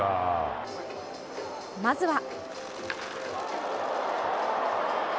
まずは。